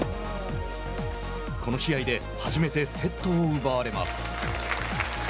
この試合で初めてセットを奪われます。